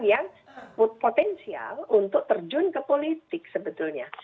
yang potensial untuk terjun ke politik sebetulnya